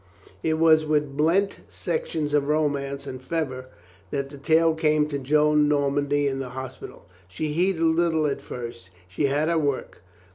It was with blent sections of romance and fervor that the tale came to Joan Normandy in the hospital. She heeded little at first. She had her work.